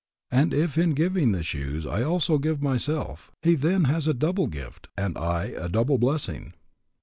And if in giving the shoes I also give myself, he then has a double gift, and I a double blessing.